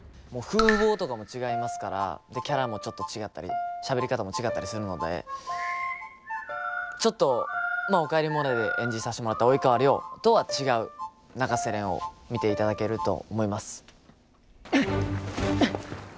もう風貌とかも違いますからキャラもちょっと違ったりしゃべり方も違ったりするのでちょっと「おかえりモネ」で演じさせてもらった及川亮とは違う永瀬廉を見ていただけると思います。